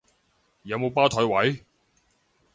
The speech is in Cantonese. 有冇吧枱位？